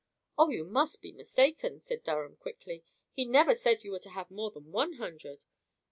"Oh, you must be mistaken," said Durham, quickly. "He never said you were to have more than one hundred."